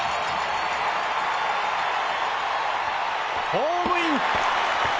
ホームイン！